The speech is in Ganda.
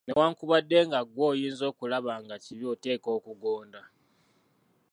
Newankubadde nga ggwe oyinza okulaba nga kibi oteekwa okugonda.